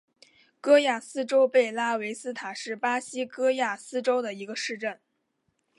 戈亚斯州贝拉维斯塔是巴西戈亚斯州的一个市镇。